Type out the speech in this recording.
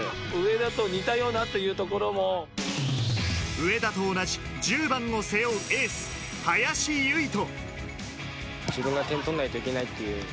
上田と同じ１０番を背負うエース・林結人。